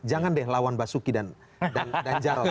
jangan deh lawan basuki dan jarod